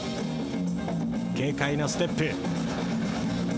軽快なステップ。